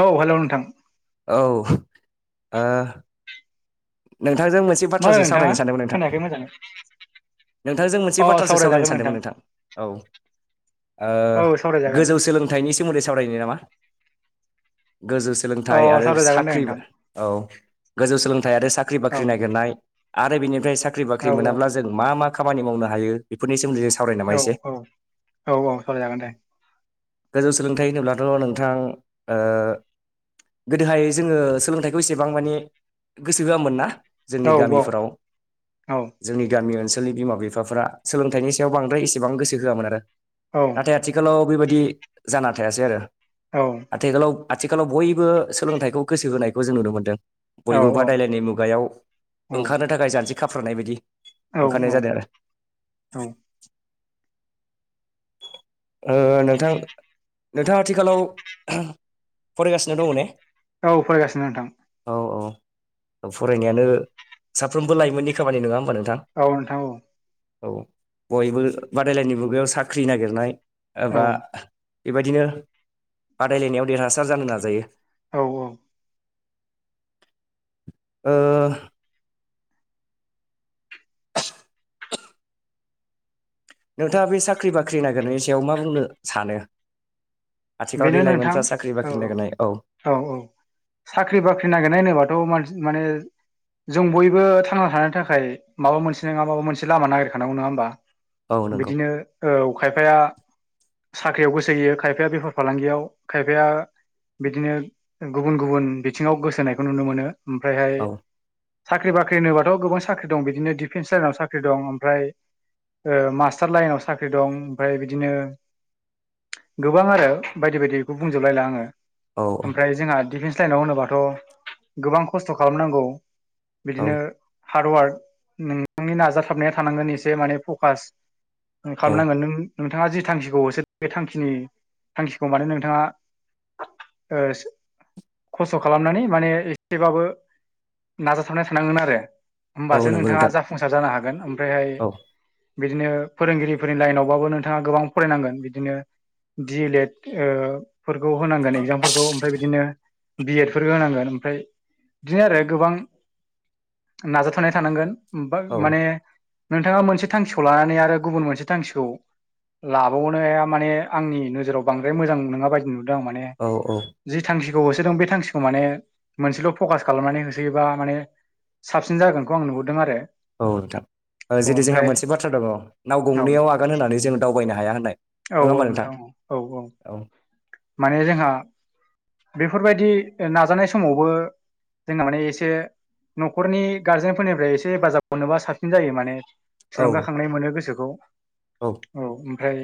औ हेलौ नोंथां। औ ओ। नोंथांजों मोनसे मा होनो बाथ्रासो नोंथाङा सावरायनो सानदोंमोन नोंथां। खोनायाखै मोजाङै नोंथांजों मोनसे अ बाथ्रासो सावरायनो सावरायजागोन सानदोंमोन नोंथां औ। ओ औ सावरायजागोन गोजौ सोलोंथाइनि सोमोन्दै सावरायनो नामा। गोजौ अ सोलोंथाइ आरो सावरायजागोन दे साख्रि नोंथां औ गोजौ सोलोंथाइ आरो साख्रि औ बाख्रि नागिरनाय। आरो बेनिफ्राय साख्रि औ बाख्रि मोनाब्ला जों मा मा खामानि मावनो हायो बेफोरनि सोमोन्दै जों। सावरायनो नामा औ एसे औ औ औ सावरायजागोन दे। गोजौ सोलोंथाइ होनोब्लाथ' नोंथां ओ। गोदोहाय जोङो सोलोंथाइखौ एसेबां माने। गोसो होआमोन ना जोंनि औ गामिफोराव औ जोंनि गामि ओनसोल। आगोलनि बिमा बिफाफोरा सोलोंथाइनि सायाव बांद्राय इसेबां गोसो होआमोनोन आरो औ नाथाय आथिलाव बेबायद। बिदि जाना थायासै आरो औ आथिखालाव। आथिखालाव बयबो सोलोंथाइखौ गोसो होनायखौ जों नुनो मोनदों। औ बयबो बादायलायनाय मुगायाव ओंखारनो थाखाय जानजि खाफ्रानाय बायदि। औ ओंखारनाय जादों आरो। ओ नोंथां नोंथाङा आथिखालाव फरायगासिनो दङ ने? औ फरायगासिनो नोंथां। औ औ औ फरायनायानो साफ्रोमबो लाइमोननि खामानि नोङा ओमबा नोंग। औ नोंथां औ। औ बयबो बादायलायनाय मुगायाव साख्रि नागिरनाय औ एबा। बेबायदिनो बादायलायनायाव देरहासार जानो नाजायो। औ औ। ओ। नोंथाङा बे साख्रि बाख्रि नागिरनायनि सायाव मा बुंनो सानो। आथिखालाव बेनो दै नोंथां लाइमोनफ्रा साख्रि औ बाख्रि नागिरनाय औ। औ औ साख्रि बाख्रि नागिरनाय होनोबाथ'मानसि माने। जों बयबो थांना थानायनि थाखाय माबा मोनसे नङा माबा मोनसे लामा नागिरखांनांगौ नङा होमबा। औ नंगौ बिदिनो औ खायफाया साख्रियाव गोसो होयो खायफाया बेफारफ। फालांगियाव खायफाया बिदिनो गुबुन गुबुन बिथिङाव गोसो होनायखौ नुनो मोनो। ओमफ्रायहाय। औ साख्रि बाख्रि होनोबाथ' गोबां साख्रि दं बिदिनो डिफेन्स लाइनाव साख्रि दं ओमफ्राय। मास्टार लाइनाव साख्रि दं ओमफाय बिदिनो गोबां आरो बायदि बायदिखौ बुंजोबलायला आङो औ ओमफ्राय जोंहा डिफेन्स नाव होनोबाथ' गोबां खस्थ' खालामनांगौ औ बिदिनो हार्डवार्क नोंथांनि नाजाथाबनाया थानांगोन एसे माने फकास औ खालामनांगोन नों नोंथाङा जि थांखिखौ होसो बे थांखिनि थांखिखौ माने नोंथाङा खस्थ' खालामनानै माने एसेबाबो नाजाथाबनाया थानांगोन आरो होमबासो औ नंगौ नोंथाङा नोंथां जाफुंसार जानो हागोन ओमफ्रायहाय औ बिदिनो फोरोंगिरिफोरनि लाइनावबाबो नोंथाङा गोबां फरायनांगोन बिदिनो डि ए लेड फोरखौ होनांगोन एगजामफोरखौ ओमफ्राय बिदिनो बिएडफोर होनांगोन ओमफ्राय बिदिनो आरो गोबां नाजाथानाय थानांगोन औ [unintelligible] माने नोंथाङा मोनसे थांखिखौ लानानै आरो गुबुन मोनसे थांखिखौ लाबावनाया माने आंनि नोजोराव बांद्राय मोजां नोङा बायदि नुदों आं माने औ औ जि थांखि खौ होसोदों बे थांखिखौ माने मोनसेल' फकास खालामनानै होसोयोबा माने साबसिन जागोनखौ आं नुहुरदों आरो औ नोंथां औ जेरै जोंहा ओमफ्राय मोनसे बाथ्रा दङ नाव औ गंनैयाव आगान होननानै जों दावबायनो हाया होननाय औ नङा औ होमबा नोंथां औ औ माने जोंहा बेफोरबायदि नाजानाय समावबो जोंना माने एसे न'खरनि गारजेनफोरनिफ्राय एसे हेफाजाबाव मोननोबा साबसिन जायो माने औ थुलुंगाखांनाय मोनो गोसोखौ औ ओमफ्राय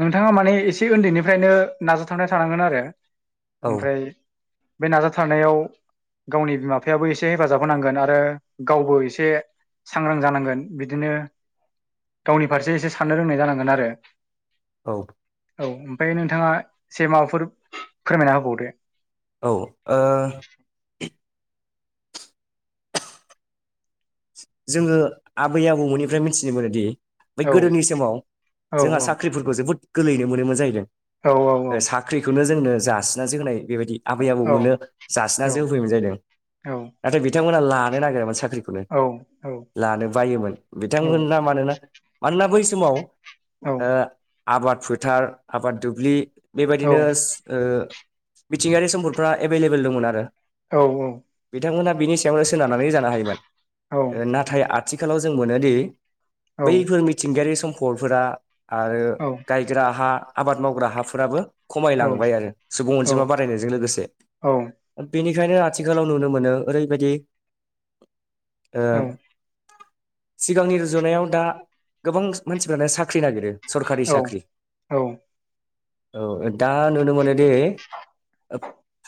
नोंथाङा माने एसे उन्दैनिफ्रायनो नाजा थारनाय थानांगोन आरो औ ओमफ्राय बे नाजाथारनायाव गावनि बिमा बिफायाबो एसे हेफाजाब होनांगोन आरो गावबो एसे सांग्रां जानांगोन बिदिनो गावनि फारसे एसे साननो रोंनाय जानांगोन आरो। औ। औ ओमफ्राय नोंथाङा एसे माबाफोर फोरमायना होबावदो। ओ जोङो आबै आबौमोननिफ्राय मिथिनो मोनोदि। बे गोदोनि समाव जोंहा साख्रिफोरखौ जोबोद गोरलैयैनो मोनोमोन जाहैदों। साख्रिखौनो जोंनो जासिनासो होनाय। बेबायदि आबै आबौ मोननो जासिनासो होफैयोमोन जाहैदों नाथाय बिथांमोना लानो नागिरामोन साख्रि। खौनो लानो बायोमोन बिथांमोना मानोना मानोना बै समाव। औ‌। आबाद फोथार आबाद दुब्लि बेबायदिनो। मिथिंगायारि सम्पदफ्रा एभेलेबल दंमोन आरो। औ औ। बिथांमोनहा बिनि सायावनो सोनारनानै जानो हायोमोन। नाथाय आथिखालाव जों मोनोदि बैफोर मिथिंगायारि सम्पदफोरा। आरो गायग्रा हा आबाद मावग्रा हाफोराबो। खमायलांबाय आरो सुबुं अनजिमा बारायनायजों लोगोसे बेनि खायनो आथिखालाव नुनो मोनो ओरैबायदि। सिगांनि रुजुनायाव दा गोबां मानसिफ्रानो साख्रि नागिरो। सरखारि साख्रि औ दा नुनो मोनो दि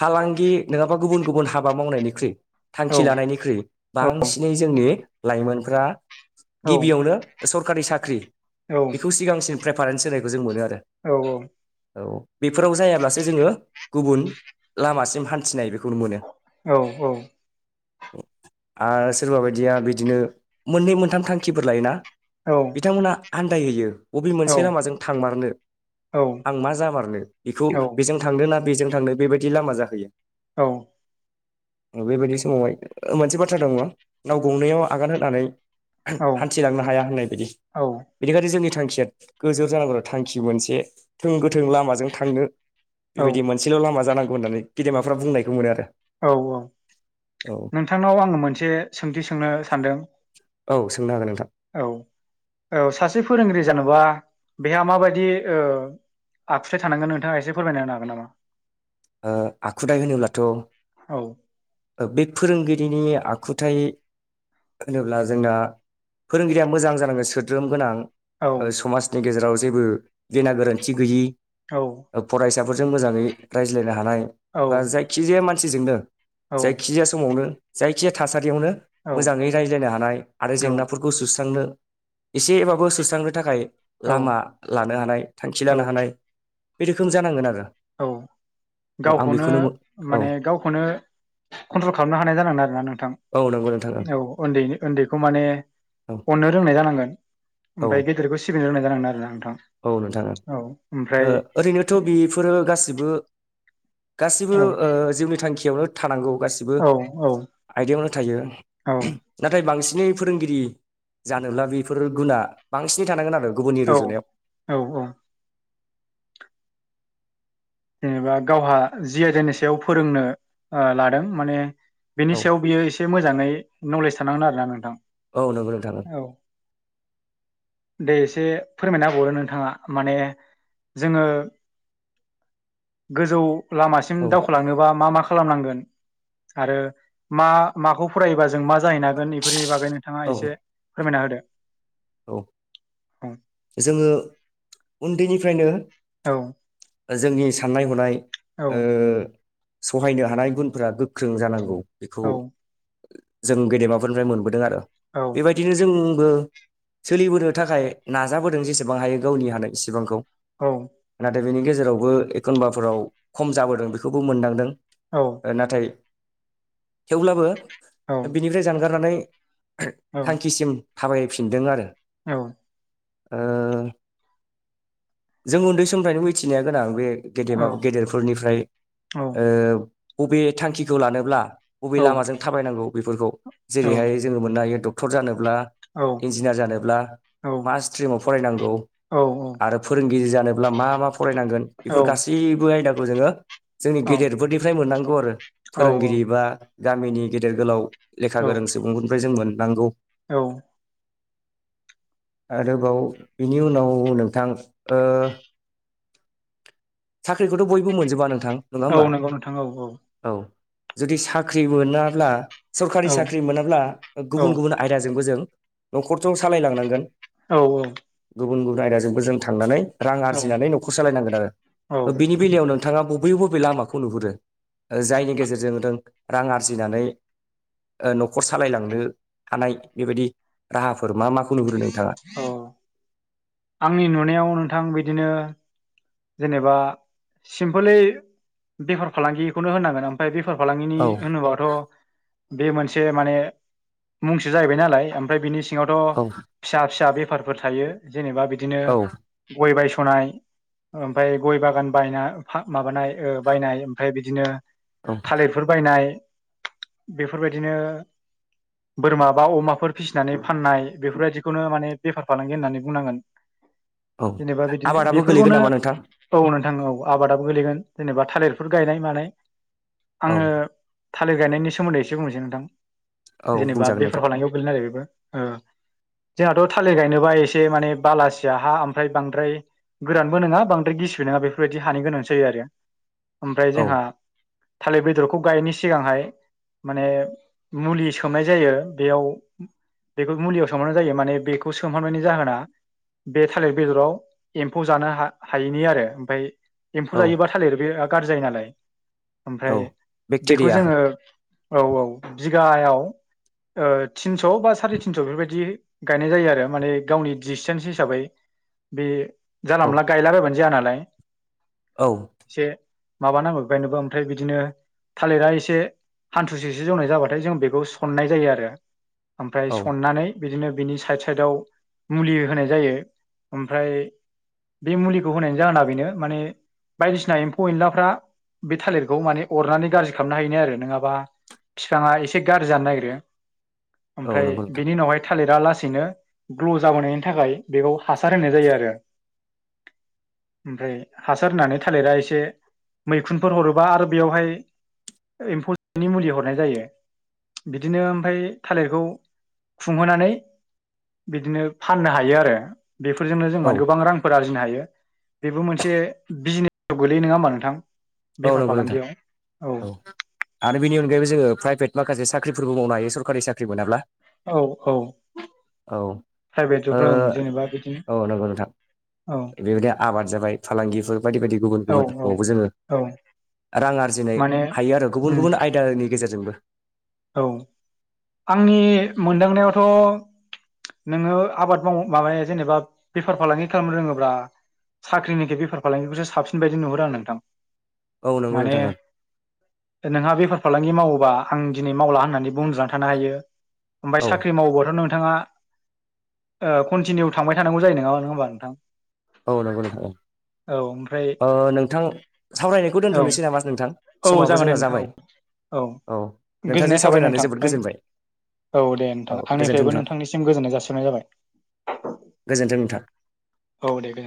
फालांगि नोङाबा गुबुन गुबुन हाबा मावनायनिख्रुइ थांखि लानायनिख्रुइ बांसिन नि लाइमोनफ्रा गिबियावनो सरकारि साख्रि बेखौ सिगांसिन प्रेफारेन्स होनायखौ जों मोनो आरो औ। बेफोराव जायाब्लासो जोङो गुबुन लामासिम हान्थिनाय। बेखौनो मोनो औ औ। आरो सोरबा बायदिया बिदिनो मोननै मोनथाम थांखिफोर लायोना? बिथांमोनहा आन्दायहैयो बबे मोनसे लामाजों थांमारनो। आं मा जामारनो बेखौ बेजों थांदों ना बेजों थांनो बेबायदि लामा जाहैयो। औ बेबायदि समावहाय मोनसे बाथ्रा दं न नाव गंनैयाव आगान होनानै हान्थिलांनो हाया होननाय बायदि औ बेनिखायनो जोंनि थांखिया गोजोर जानांगौ थांखि मोनसे थों गोथों लामाजों थांनो औ बेबायदि मोनसेल' लामा जानांगौ होननानै गेदेमाफ्रा बुंनायखौ मोनो आरो औ नोंथांनाव आङो मोनसे सोंथि सों नो सानदों औ सोंनो हागोन नोंथां औ औ सासे फोरोंगिरि जानोबा बा बेहा मा बायदि ओ आखुथाय थानांगोन नोंथाङा एसे फोरमायना होनो हागोन नामा? ओ आखुथाय होनोब्लाथ' औ। बे फोरोंगिरिनि आखुथाय। होनोब्ला जोंना फोरोंगिरिया मोजां जानांगौ सोद्रोम गोनां। औ ओ समाजनि गेजेराव जेबो गेना गोरोन्थि गैयि औ फरायसाफोरजों मोजाङै रायज्लायनो हानाय औ बा जायखिजाया मानसिजोंनो औ जायखिजाया समावनो जायखिजाया थासारि बायदियावनो मोजाङै रायज्लायनो हानाय आरो औ जेंनाफोरखौ सुस्रांनो एसेबाबो सुस्रांनो थाखाय औ लामा लानो हानाय थांखि औ लानो हानाय। बे रोखोम जानांगोन आरो। औ औ आं गावखौनो बेखौनो औ माने गावखौनो। कन्ट्रल खालामनो हानाय जानांगोन आरो ना नोंथां। औ नंगौ नोंथां औ उन्दै उन्दैखौ माने ओं अननो रोंनाय जानांगोन औ ओमफ्राय गेदेरखौ सि बिनो रोंनांगोन आरोना ओं औ नोंथां ऐं ओ ओरैनोथ' बेफोरो गासिबो गासिबो औ ओ जिउनि थांखियावनो थानांगौ गासिबो औ आयदायावनो थायो औ नाथाय बांसिनै फोरोंगिरि जानोब्ला बेफोर गुना बांसिनै थानांगोन आरो गुबुननि औ रुजुनायाव औ औ जेनेबा गावहा जि आइदानि सायाव फोरोंनो ओ लादों माने बेनि औ सायाव बियो एसे मोजाङै नलेज थानांगोन आरोना नोंथां औ नोंगौ नोंथां ओं औ दे एसे फोरमायना होबावदो नोंथाङा माने जोङो गोजौ लामासिम औ दावखोलांनोबा मा मा खा खालामनांगोन आरो मा माखौ फरायोबा जों मा जाहैनो हागोन एफोरनि बागै नोंथाङा औ एसे फोरमायना होदो औ औ जोङो उन्दैनिफ्रायनो औ जोंनि साननाय हनाय औ ओ सहायनो हानाय गुनफ्रा गोख्रों जानांगौ बेखौ जों गेदेमाफोरनिफ्राय मोनबोदों आरो औ बेबायदिनो जों बो सोलिबोनो थाखाय नाजाबोदों जेसेबां हायो गावनि हानाय इसेबांखौ औ आरो बेनि गेजेरावबो एखनबाफोराव खम जाबोदों बेखौबो मोनदांदों नाथाय थेवब्लाबो औ बिनिफ्राय जानगारनानै औ थांखिसिम थाबायफिनदों आरो औ ओ जों उन्दै समफ्रायनो मिथिनाया गोनां बे गेदेमा औ गेदेरफोरनिफ्राय ओ बबे थांखिखौ लानोब्ला बबे औ लामाजों थाबायनांगौ बेफोरखौ जेरैहाय जोङो मोननो हायो डक्टर जानो ब्ला इजिनियार जानोब्ला मा स्ट्रिमाव फरायनांगौ आरो फोरों गिदिर जानोब्ला मा मा फरायनांगोन बेफोर गासैबो आयदाखौ जोङो जोंनि गेदेरफोरनिफ्राय मोननांगौ आरो औ फोरोंगिरि बा गामिनि गेदेर गोलाव लेखा औ गोरों सुबुंफोरनिफ्राय जों मोननांगौ औ आरोबाव बिनि उनाव नोंथां ओ साख्रिखौथ' बयबो मोनजोबा नोंथां नङा औ होमबा नंगौ नोंथां औ औ जुदि साख्रि मोनाब्ला सरखारि औ साख्रि मोनाब्ला औ गुबुन गुबुन आयदाजोंबो जों न'खरथ सालाय लांनांगोन औ औ गुबुन गुबुन आयदाजोंबो जों थांनानै रां औ आरजिनानै न'खर सालायनांगोन आरो बिनि बेलायावनो नोंथाङा बबे बबे लामाखौ नुहुरो जायनि गेजेरजों नों रां आरजिनानै ओ न'खर सालायलांनो हानाय बेबायदि राहाफोर मा माखौ नुहुरो नोंथाङा औ आंनि नुनायाव नोंथां बिदिनो जेनेबा सिम्पोलै बेफार फालांगिखौनो होनांगोन ओमफ्राय बे बेफार फालांगिनि औ होनोबाथ' बे मोनसे माने मुंसो जाहैबाय नालाय ओमफ्राय बिनि सिङावथ' औ फिसा फिसा बे फारफोर थायो जेनेबा बिदिनो औ गय बायस'नाय ओमफ्राय गय बागान बायना माबानाय बायनाय ओमफाय बिदिनो औ थालेरफोर बायनाय बेफोरबायदिनो बोरमा बा अमाफोर फिसिनानै फाननाय बेफोरबायदिखौनो माने बेफार फालांगि होननानै बुंनांगोन औ जेनेबा बिदिनो आबादाबो गोलैगोन बेफोरखौनो नामा नों औ नोंथां औ आबादाबो गोलैगोन जेनेबा थालिरफोर गायनाय मानाय औ आङो थालिर गायनायनि सोमोन्दै एसे बुंनोसै नोंथां औ जेनेबा बुंजागोन बेफार नोंथां फालांगिआव गोग्लैयो आरो बेबो ओ जोंहाथ' थालिर गायनोबा एसे माने बालासिया हा ओमफ्राय बांद्राय गोरानबो नङा बांद्राय गिसिबो नङा बेफोरबायदि हानि गोनां जायो आरो ओमफ्राय औ जोंहा थालिर बेदरखौ गायिनि सिगांहाय माने मुलि सोमनाय जायो बेयाव बेखौ मुलियाव सोमहरनाय जायो माने बेखौ सोमहरनायनि जाहोना बे थालिर बेदराव एम्फौ जानो हा हायैनि आरो ओमफ्राय एम्फौ औ जायोबा थालिर बे गाज्रि जायो नालाय औ ओमफ्राय बेखौ बेक्टेरिया जोङो औ औ बिगायाव थिनस' बा साराय थिनस' बेफोरबायदि गायनाय जायो आरो माने गावनि डिसटेन्स हिसाबै बे जानला औ मोनला मोनजाया नालाय औ एसे माबानांगौ बायनोबो ओमफ्राय बिदिनो थालिरा एसे हान्थुसेसो जौनाय जाबाथाय जों बेखौ सननाय जायो आरो ओमफ्राय औ सननानै बिदिनो बिनि साइद साइदाव मुलि होनाय जायो ओमफ्राय बे मुलिखौ होनायनि जाहोना बेनो माने बायदिसिना एम्फौ एनलाफ्रा बे थालिरखौ माने अरनानै गाज्रि खालामनो हायोनाय आरो नङाबा बिफाङा एसे गाज्रि जानो नागिरो औ ओमफ्राय नंगौ नोंथां बिनि उनावहाय थालिरा लासेैनो ग्ल' जाबोनायनि थाखाय बेखौ हासार होनाय जायो आरो [inaudible] ओमफ्राय हासार होनानै थालिरा एसे मैखुनफोर हरोबा आरो बेयावहाय एम्फौनि मुलि हरनाय जायो बिदिनो ओमफ्राय थालिरखौ खुंहोनानै बिदिनो फाननो हायो आरो बेफोरजोंनो जों औ गोबां रां आरजिनो हायो बेबो मोनसे बिजनेसाव गोलैयो नङा होमबा नोंथां औ बेफार नंगौ नोंथां फालांगियाव औ आरो बेनि अनगायैबो जोङो प्राइभेट माखासे साख्रिफोरबो मावनो हायो सरकारि साख्रि मोनाब्ला औ औ औ प्राइभेट ओ जबफ्राव ओं जेनेबा बिदिनो औ नंगौ नोंथां औ बेबायदि आबाद जाबाय फालांगिफोर बायदि बायदि गुबुन औ गुबुन औ रोखोमावबो जोङो औ रां आरजिनो माने हायो आरो गुबुन उम गुबुन आयदानि गेजेरजोंबो औ आंनि मोनदांनायावथ' नोङो आबाद माव माबाया जेनेबा बेफार फालांगि खालामनो रोङोब्ला साख्रिनिखि बेफार फालांगिखौसो साबसिन बायदि नुहरो आं नोंथां औ नंगौ माने नोंथां नोंहा बेफार फालांगि मावो ब्ला आं दिनै मावला होननानैबो उन्दुना थानो हायो ओमफ्राय ओं। साख्रि मावोबाथ' नोंथाङा कन्टिनिउ थांबाय थानांगौ जायो नोङा होमबा नोंथां औ नंगौ नोंथां औ ओमफ्राय औ नोंथां सावरायनायखौ औ दोनथ'नोसै नामा नोंथां औ समाबो जागोन दे जोंहा नोंथां औ जाबाय औ गोजोननाय नोंथांजों थाबाय सावरायनानै जोबोद नोंथां गोजोनबाय औ दे औ नोंथां गोजोन्थों आंनिफ्रायबो नोंथां नोंथांनिसिम गोजोननाय जासिननाय जाबाय गोजोन्थों नोंथां औ दे